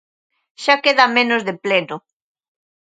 Xa queda menos de pleno.